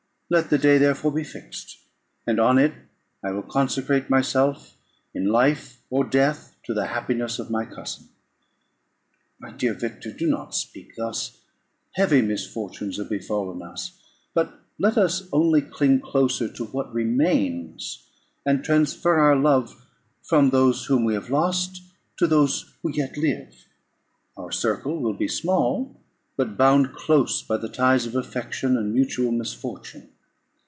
Let the day therefore be fixed; and on it I will consecrate myself, in life or death, to the happiness of my cousin." "My dear Victor, do not speak thus. Heavy misfortunes have befallen us; but let us only cling closer to what remains, and transfer our love for those whom we have lost, to those who yet live. Our circle will be small, but bound close by the ties of affection and mutual misfortune.